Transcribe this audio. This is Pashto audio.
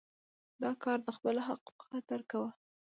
دا کار د خپل حق په خاطر کوو.